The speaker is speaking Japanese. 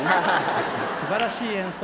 すばらしい演奏